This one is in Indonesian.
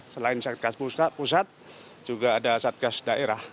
selain satgas pusat juga ada satgas daerah